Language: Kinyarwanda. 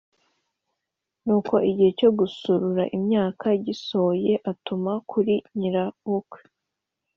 Nuko igihe cyo gusarura imyaka gisohoye atuma kuri nyirabukwe